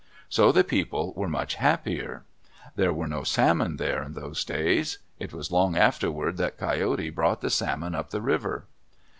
So the people were much happier. There were no salmon there in those days; it was long afterward that Coyote brought the salmon up the river.